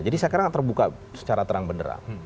jadi sekarang terbuka secara terang beneran